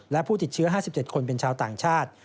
และผู้ติดเชื้อ๕๗คนเป็นชาวต่างชาติ